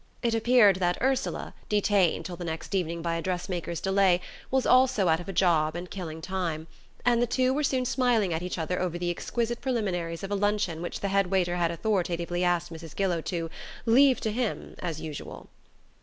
It appeared that Ursula, detained till the next evening by a dress maker's delay, was also out of a job and killing time, and the two were soon smiling at each other over the exquisite preliminaries of a luncheon which the head waiter had authoritatively asked Mrs. Gillow to "leave to him, as usual."